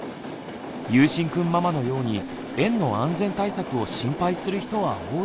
ゆうしんくんママのように園の安全対策を心配する人は多いはず。